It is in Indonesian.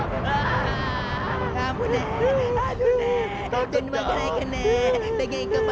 ndudin itu gimana